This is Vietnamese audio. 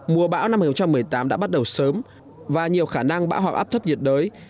mùa bão năm hai nghìn một mươi tám đã bắt đầu sớm và nhiều khả năng bão hoặc áp thấp nhiệt đới